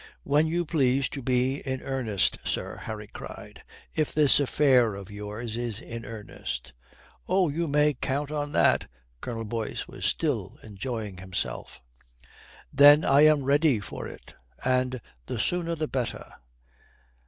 "When you please to be in earnest, sir," Harry cried, "if this affair of yours is in earnest " "Oh, you may count on that." Colonel Boyce was still enjoying himself. "Then I am ready for it. And the sooner the better."